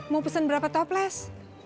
mau pesen berapa toples